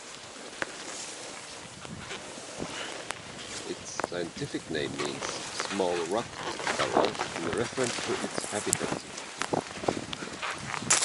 Its scientific name means "small rock-dweller", in reference to its habitat.